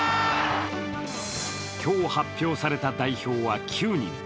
今日発表された代表は９人。